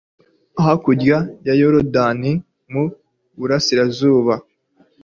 hakurya ya yorudani mu burasirazuba